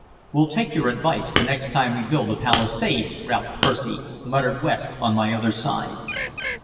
"We'll take your advice, the next time we build a palisade, Ralph Percy," muttered West on my other side.